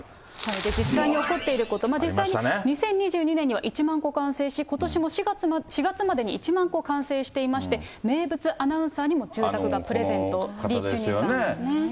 実際に起こっていること、実際に２０２２年には１万戸完成し、ことしの４月までに１万戸完成していまして、名物アナウンサーにも住宅がプレゼント、リ・チュニさんですね。